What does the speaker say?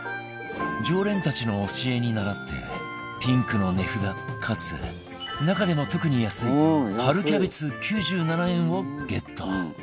常連たちの教えにならってピンクの値札かつ中でも特に安い春キャベツ９７円をゲット